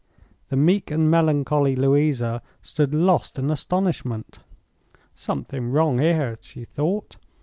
The meek and melancholy Louisa stood lost in astonishment. "Something wrong here," she thought.